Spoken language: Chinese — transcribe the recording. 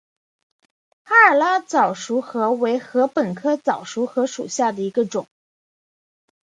拉哈尔早熟禾为禾本科早熟禾属下的一个种。